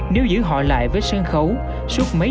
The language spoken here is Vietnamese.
nếu giữ họ lại với sân khấu